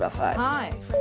はい。